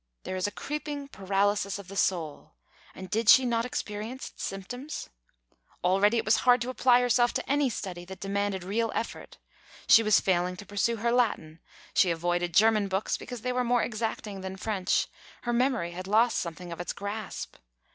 There is a creeping paralysis of the soul, and did she not experience its symptoms? Already it was hard to apply herself to any study that demanded real effort; she was failing to pursue her Latin; she avoided German books, because they were more exacting than French; her memory had lost something of its grasp.